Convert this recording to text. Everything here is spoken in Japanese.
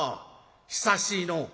久しいのう。